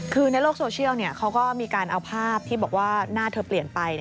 คือในโลกโซเชียลเขาก็มีการเอาภาพที่บอกว่าหน้าเธอเปลี่ยนไป